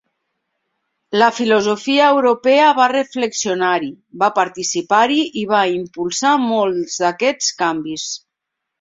La filosofia europea va reflexionar-hi, va participar-hi i va impulsar molts d'aquests canvis.